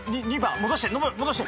戻して戻して！